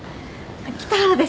北原です。